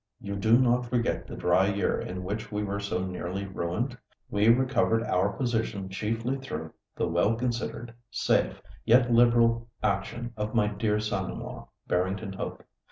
You do not forget the dry year in which we were so nearly ruined? We recovered our position chiefly through the well considered, safe, yet liberal action of my dear son in law, Barrington Hope.